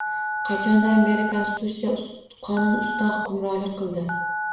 Qachondan beri Konstitutsiya qonun ustidan hukmronlik qildi?